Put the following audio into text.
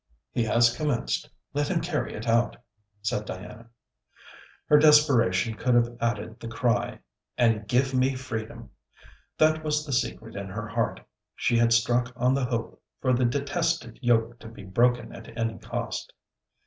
'He has commenced. Let him carry it out,' said Diana. Her desperation could have added the cry And give me freedom! That was the secret in her heart. She had struck on the hope for the detested yoke to be broken at any cost.